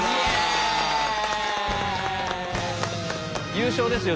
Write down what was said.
優勝ですよ